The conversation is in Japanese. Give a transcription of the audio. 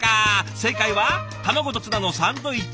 正解は卵とツナのサンドイッチ。